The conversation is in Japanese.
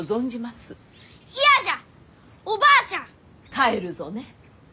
帰るぞね。